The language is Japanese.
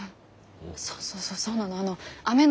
そうそうそうそうなの。